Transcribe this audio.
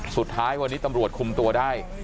สุดท้ายวันนี้ตำรวจคุมตัวได้